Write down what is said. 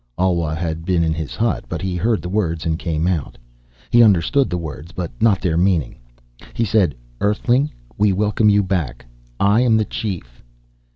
Alwa had been in his hut, but he heard the words and came out. He understood the words, but not their meaning. He said, "Earthling, we welcome you back. I am the chief."